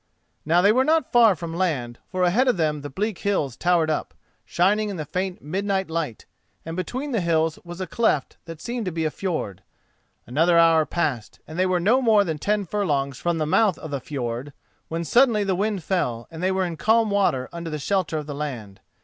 Now they were not far from land, for ahead of them the bleak hills towered up, shining in the faint midnight light, and between the hills was a cleft that seemed to be a fjord. Another hour passed, and they were no more than ten furlongs from the mouth of the fjord, when suddenly the wind fell, and they were in calm water under shelter of the land.